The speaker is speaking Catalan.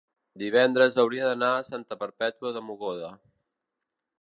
divendres hauria d'anar a Santa Perpètua de Mogoda.